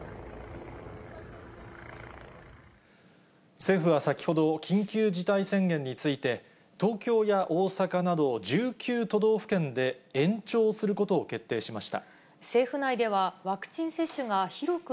政府は先ほど、緊急事態宣言について、東京や大阪など１９都道府県で、延長することを決定しました。